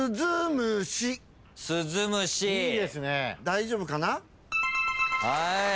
大丈夫かな？